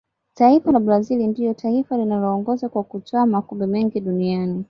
taifa la brazil ndiyo taifa linaloongoza kwa kutwaa makombe mengi ya dunia